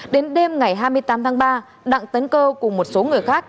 đến đêm ngày hai mươi tám tháng ba đặng tấn cơ cùng một số người khác